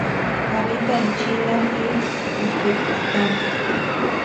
Habita en China y Uzbekistán.